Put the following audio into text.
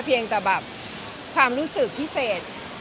เพียงแต่แบบความรู้สึกพิเศษ